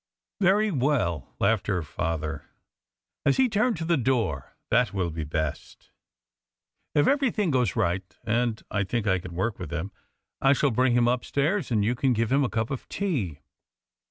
"Very well," laughed her father, as he turned to the door, "that will be best. If everything goes right and I think I can work with him, I shall bring him upstairs and you can give him a cup of tea.